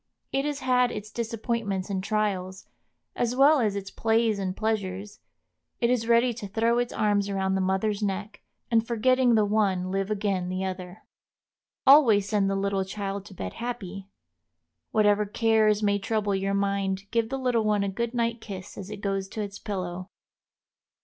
It has had its disappointments and trials, as well as its plays and pleasures; it is ready to throw its arms around the mother's neck, and forgetting the one live again the other. Always send the little child to bed happy. Whatever cares may trouble your mind give the little one a good night kiss as it goes to its pillow.